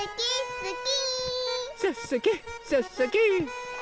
すき！